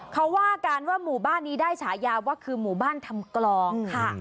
เขาว่ากันว่าหมู่บ้านนี้ได้ฉายาว่าคือหมู่บ้านทำกลองค่ะ